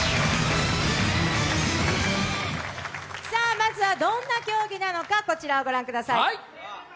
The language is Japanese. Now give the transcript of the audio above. まずはどんな競技なのか、こちらをご覧ください。